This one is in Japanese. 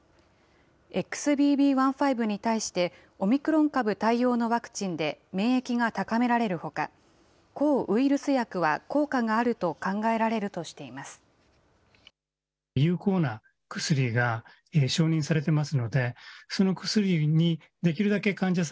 ＸＢＢ．１．５に対して、オミクロン株対応のワクチンで免疫が高められるほか、抗ウイルス薬は効果があると考えられるとしています。